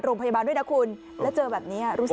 โรงพยาบาลด้วยนะคุณแล้วเจอแบบนี้รู้สึก